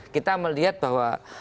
kita melihat bahwa